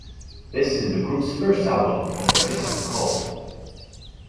This is the group's first album on Epitaph Records.